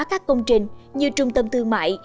các công trình như trung tâm thương mại